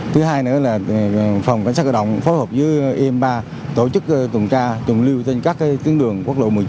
thứ hai nữa là phòng cảnh sát cơ động phối hợp với im ba tổ chức tuần tra trùng lưu trên các tuyến đường quốc lộ một mươi chín